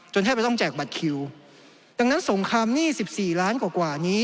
แทบไม่ต้องแจกบัตรคิวดังนั้นสงครามหนี้๑๔ล้านกว่านี้